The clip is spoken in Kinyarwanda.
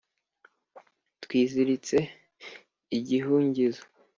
twiziritse igihungizo,